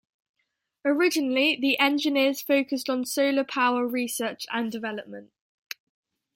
Originally, the engineers focused on solar power research and development.